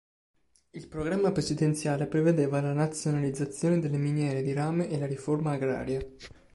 Il programma presidenziale prevedeva la nazionalizzazione delle miniere di rame e la riforma agraria.